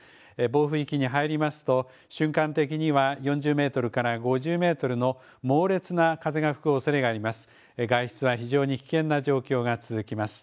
暴風域に入りますと、瞬間的には４０メートルから５０メートルの猛烈な風が吹くおそれがあります。